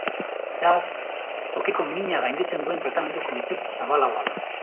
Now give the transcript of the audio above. Beraz, tokiko mina gainditzen duen tratamendu kontzeptu zabalagoa da.